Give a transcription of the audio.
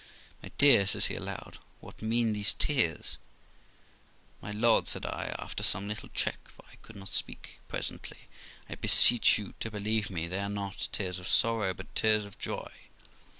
'My dear', says he aloud, 'what mean these tears ?'' My lord ', said I, after some little check, for I could not speak presently, 'I beseech you to believe me, they are not tears of sorrow, but tears of joy.